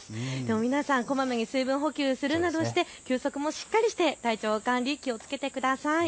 皆さん、こまめに水分補給するなどして休息もして体調管理、気をつけてください。